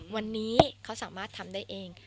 วันนี้เขาสามารถทำได้เอง